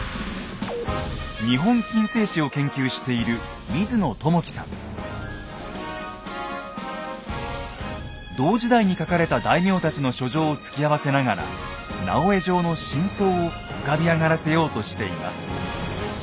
日本近世史を研究している同時代に書かれた大名たちの書状を突き合わせながら直江状の真相を浮かび上がらせようとしています。